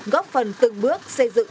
góp phần từng bước xây dựng